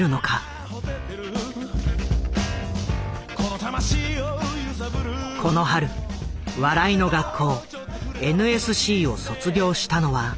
この春笑いの学校ＮＳＣを卒業したのは７００人ほど。